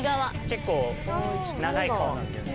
結構長い川なんだよね。